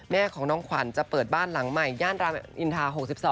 แม่ของน้องขวัญจะเปิดบ้านหลังใหม่ย่านรามอินทา๖๒